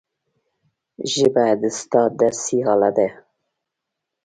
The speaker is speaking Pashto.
ژبه د استاد درسي آله ده